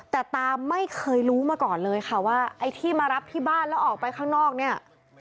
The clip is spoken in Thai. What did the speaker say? แต่ตาไม่เคยรู้มาก่อนเลยค่ะว่าไอ้ที่มารับที่บ้านแล้วออกไปข้างนอกเนี่ย